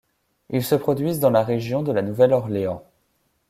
Ils se produisent dans la région de La Nouvelle-Orléans.